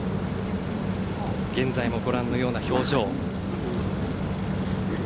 現在もご覧のような表情。